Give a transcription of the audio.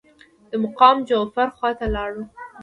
د مقام جعفر خواته لاړو.